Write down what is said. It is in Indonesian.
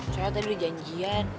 soalnya tadi udah janjian